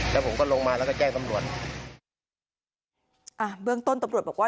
แล้วผมก็ลงมาแล้วก็แจ้งตำรวจอ่าเบื้องต้นตำรวจบอกว่า